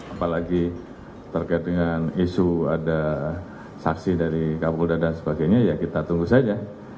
apalagi terkait dengan isu ada saksi dari kapolda dan sebagainya ya kita tunggu saja